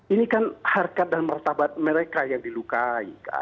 ini kan harkat dan martabat mereka yang dilukai